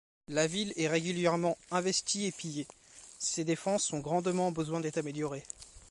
La ville est régulièrement investie et pillée, ses défenses ont grandement besoin d'être améliorées.